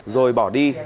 rồi bỏ đi